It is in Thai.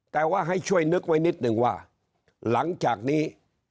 แต่ว่าให้ช่วยนึกไว้นิดนึงว่าหลังจากนี้